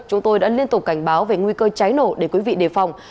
chúng tôi đã liên tục cảnh báo về nguy cơ cháy nổ để quý vị đề phòng